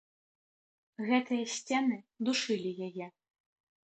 Гэтыя сцены душылі яе.